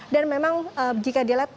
dan memang jika dilihat